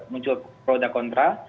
muncul pro dan kontra